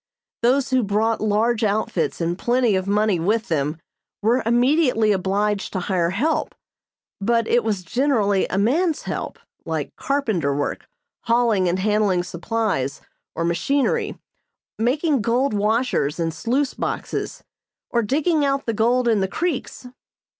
Those who brought large outfits and plenty of money with them were immediately obliged to hire help, but it was generally a man's help, like carpenter work, hauling and handling supplies or machinery, making gold washers and sluice boxes, or digging out the gold in the creeks.